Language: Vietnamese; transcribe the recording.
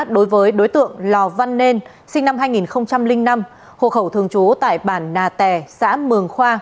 đối với đối tượng lò văn nên sinh năm hai nghìn năm hộ khẩu thường trú tại bản nà tè xã mường khoa